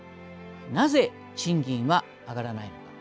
なぜ賃金は上がらないのか？」。